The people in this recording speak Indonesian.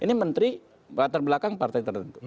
ini menteri latar belakang partai tertentu